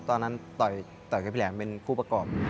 ตอนนั้นต่อยกับพี่แหลมเป็นคู่ประกอบ